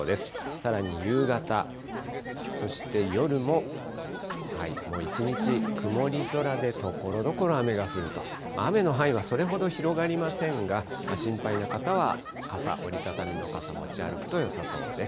さらに夕方、そして夜も、もう一日曇り空で、ところどころ雨が降ると、雨の範囲はそれほど広がりませんが、心配な方は傘、折り畳みの傘、持ち歩くとよさそうです。